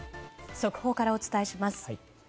速報からお伝えします。